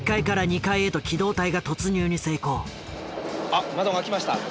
あっ窓が開きました。